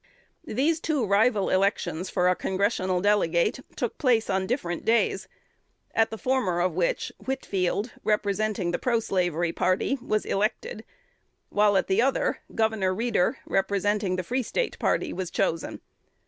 These two rival elections for a congressional delegate took place on different days; at the former of which, Whitfield, representing the proslavery party, was elected; while at the other, Gov. Reeder, representing the Free State party, was chosen.